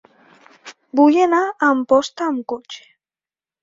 Vull anar a Amposta amb cotxe.